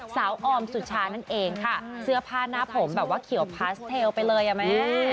ออมสุชานั่นเองค่ะเสื้อผ้าหน้าผมแบบว่าเขียวพาสเทลไปเลยอ่ะแม่